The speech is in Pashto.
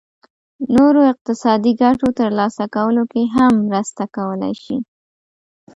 نورو اقتصادي ګټو ترلاسه کولو کې هم مرسته کولای شي.